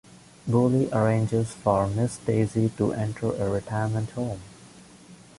Boolie arranges for Miss Daisy to enter a retirement home.